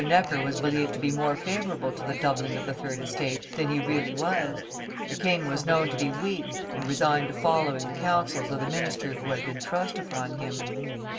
Necker was believed to be more favorable to the doubling of the third (estate) than he really was; the king was known to be weak and resigned to following the counsels of the minister who had been thrust upon him.